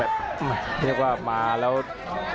อัศวินาศาสตร์